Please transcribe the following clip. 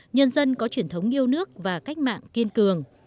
nhân dân có truyền thống yêu nước và cách mạng kiên cường